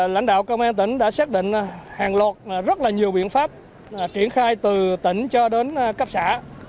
lãnh đạo công an tỉnh đã xác định hàng loạt rất là nhiều biện pháp triển khai từ tỉnh cho đến cấp xã